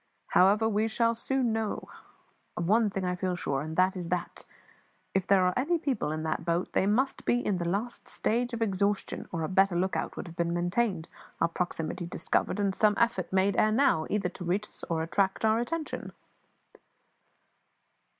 However, we shall soon know now. Of one thing I feel sure, and that is that, if there are any people in that boat, they must be in the last stage of exhaustion, or a better lookout would have been maintained, our proximity discovered, and some effort made ere now, either to reach us or to attract our attention."